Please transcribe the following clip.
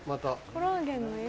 コラーゲンの湯？